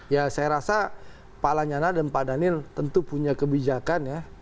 ya saya rasa pak lanyana dan pak daniel tentu punya kebijakan ya